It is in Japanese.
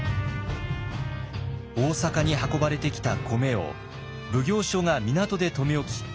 大坂に運ばれてきた米を奉行所が港で留め置き